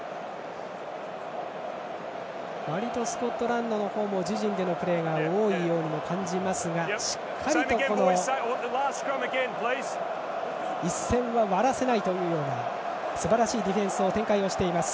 わりとスコットランドの方も自陣でのプレーが多いようにも感じますが、しっかりと一線は割らせないというようなすばらしいディフェンスを展開しています。